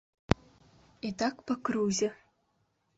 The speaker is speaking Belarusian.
І так па крузе.